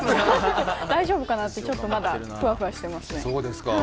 大丈夫かなってちょっとまだふわふわしてますね。